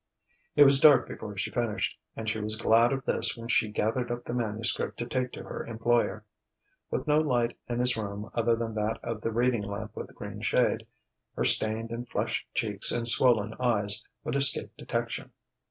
It was dark before she finished; and she was glad of this when she gathered up the manuscript to take to her employer. With no light in his room other than that of the reading lamp with the green shade, her stained and flushed cheeks and swollen eyes would escape detection.